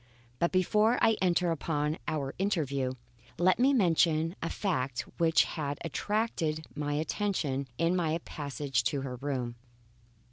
But before I enter upon our interview, let me mention a fact which had attracted my attention in my passage to her room.